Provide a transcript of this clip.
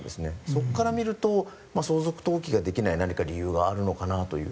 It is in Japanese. そこから見ると相続登記ができない何か理由があるのかなという。